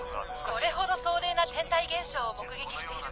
これほど壮麗な天体現象を目撃していること。